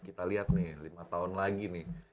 kita lihat nih lima tahun lagi nih